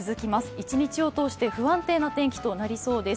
１日を通して不安定な天気となりそうです。